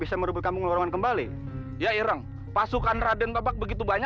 sampai jumpa di video selanjutnya